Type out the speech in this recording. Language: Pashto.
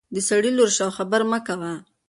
د سړي لور شه او خبرې مه کوه.